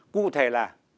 cụ thể là